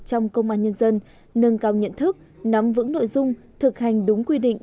trong công an nhân dân nâng cao nhận thức nắm vững nội dung thực hành đúng quy định